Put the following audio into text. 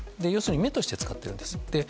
要するに目として使っているんです。